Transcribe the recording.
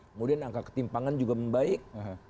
kemudian angka ketimpangan juga membaik